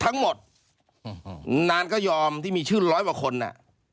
ทั้งหมดนานก็ยอมที่มีชื่อร้อยกว่าคนอ่ะ